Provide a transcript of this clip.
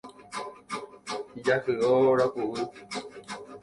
Ijahyʼo rakuvy.